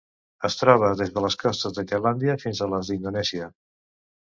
Es troba des de les costes de Tailàndia fins a les d'Indonèsia.